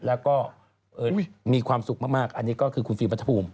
แล้วก็มีความสุขมากอันนี้ก็คือคุณฟิล์มรัฐภูมิ